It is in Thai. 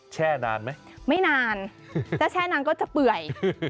แช่นานไหมไม่นานถ้าแช่นานก็จะเปื่อย